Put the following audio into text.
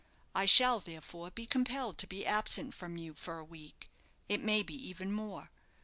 I shall, therefore, be compelled to be absent from you for a week; it may be even more.